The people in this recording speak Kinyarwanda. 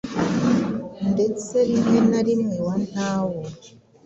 ndetse rimwe na rimwe wa ntawo.